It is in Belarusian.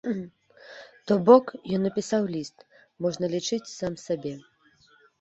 То бок, ён напісаў ліст, можна лічыць, сам сабе.